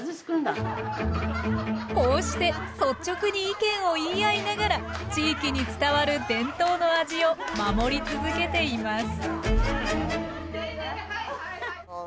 こうして率直に意見を言い合いながら地域に伝わる伝統の味を守り続けています